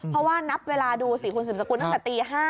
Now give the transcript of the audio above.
เพราะว่านับเวลาดูสิคุณสืบสกุลตั้งแต่ตี๕